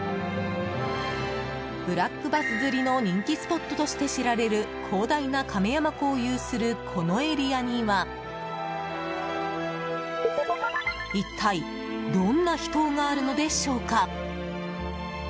ブラックバス釣りの人気スポットとして知られる広大な亀山湖を有するこのエリアには一体どんな秘湯があるのでしょうか。